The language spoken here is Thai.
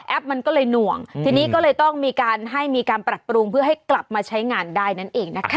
มันก็เลยหน่วงทีนี้ก็เลยต้องมีการให้มีการปรับปรุงเพื่อให้กลับมาใช้งานได้นั่นเองนะคะ